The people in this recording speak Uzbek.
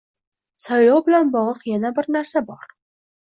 Saylov bilan bog'liq yana bir narsa bor